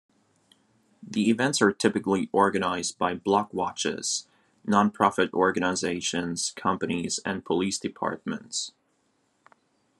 The events are typically organized by block watches, nonprofit organizations, companies, and police departments.